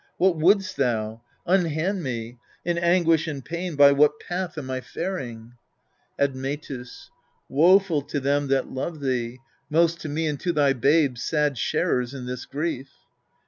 What wouldst thou ? Unhand me ! In anguish and pain by what path am I faring ! Admetus. Woeful to them that love thee : most to me And to thy babes, sad sharers in this grief.